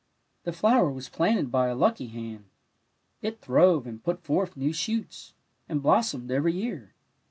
The flower was planted by a lucky hand; it throve and put forth new shoots, and blossomed every year.